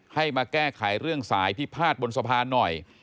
ให้มาแก้ไขเรื่องสายที่พาดบนสะพานหน่อย